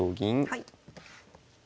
はい。